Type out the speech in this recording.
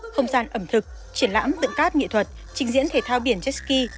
không gian ẩm thực triển lãm tượng cát nghị thuật trình diễn thể thao biển jet ski